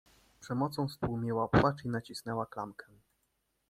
Przemocą stłumiła płacz i nacisnęła klamkę.